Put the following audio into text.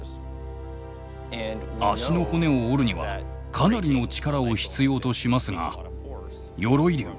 脚の骨を折るにはかなりの力を必要としますが鎧竜